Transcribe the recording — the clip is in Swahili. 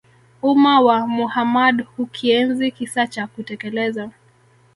umma wa Muhammad Hukienzi kisa kwa kutekeleza